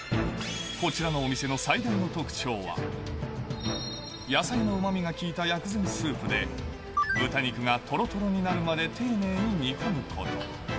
こちらのお店の最大の特徴は、野菜のうまみが効いた薬膳スープで、豚肉がとろとろになるまで丁寧に煮込むこと。